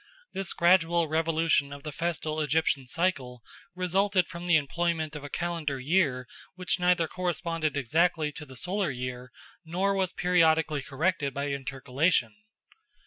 This gradual revolution of the festal Egyptian cycle resulted from the employment of a calendar year which neither corresponded exactly to the solar year nor was periodically corrected by intercalation.